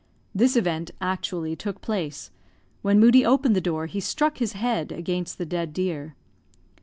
This event actually took place. When Moodie opened the door, he struck his head against the dead deer.